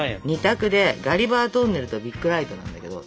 ２択で「ガリバートンネル」と「ビッグライト」なんだけど。